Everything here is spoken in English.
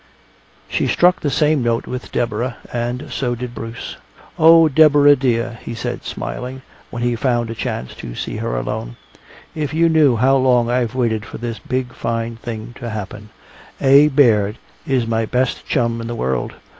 She struck the same note with Deborah. And so did Bruce. "Oh, Deborah dear," he said smiling, when he found a chance to see her alone, "if you knew how long I've waited for this big fine thing to happen. A. Baird is my best chum in the world.